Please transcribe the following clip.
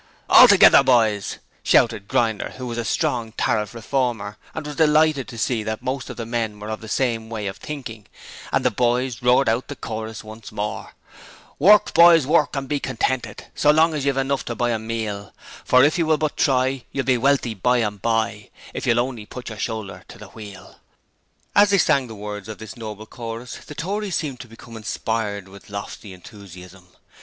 'Altogether, boys,' shouted Grinder, who was a strong Tariff Reformer, and was delighted to see that most of the men were of the same way of thinking; and the 'boys' roared out the chorus once more: Work, boys, work and be contented So long as you've enough to buy a meal For if you will but try, you'll be wealthy bye and bye If you'll only put your shoulder to the wheel. As they sang the words of this noble chorus the Tories seemed to become inspired with lofty enthusiasm.